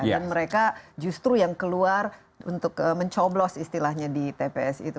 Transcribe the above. dan mereka justru yang keluar untuk mencoblos istilahnya di tps itu